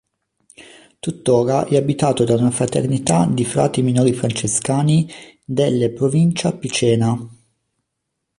Tuttora è abitato da una fraternità di frati minori francescani delle provincia picena.